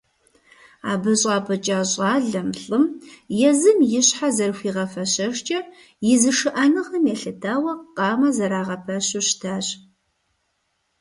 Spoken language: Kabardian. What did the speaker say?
Абы щӀапӀыкӀа щӀалэм, лӀым, езым и щхьэ зэрыхуигъэфэщэжкӀэ, и зышыӀэныгъэм елъытауэ къамэ зэрагъэпэщу щытащ.